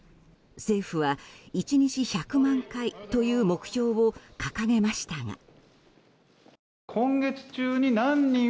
政府は１日１００万回という目標を掲げましたが。